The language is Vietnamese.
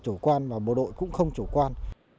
chủ quan và bộ đội cũng không chủ quan